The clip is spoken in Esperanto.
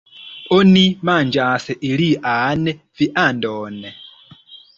Oni manĝas ilian viandon.